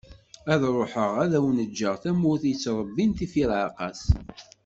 Ad ruḥeγ ad awen-ğğeγ tamurt i yettrebbin tifireԑqas.